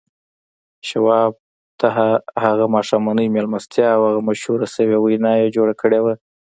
شواب ته هغه ماښامنۍ مېلمستیا او هغه مشهوره شوې وينا يې جوړه کړې وه.